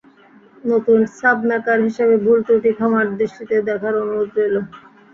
নতুন sub maker হিসেবে ভুল ত্রুটি ক্ষমার দৃষ্টিতে দেখার অনুরোধ রইলো।